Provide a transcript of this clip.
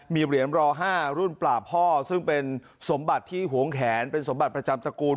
มีเหรียญรอ๕รุ่นปลาพ่อซึ่งเป็นสมบัติที่หวงแขนเป็นสมบัติประจำตระกูล